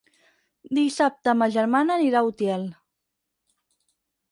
Dissabte ma germana anirà a Utiel.